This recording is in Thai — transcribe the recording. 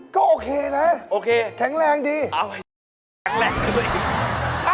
ก็โอเคนะโอเคแข็งแรงดีอ้าวแข็งแรงดี